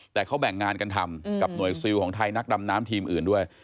แต่เขาแบ่งงานกันทำกับหน่วยซิลของไทยนักดำน้ำทีมอื่นด้วย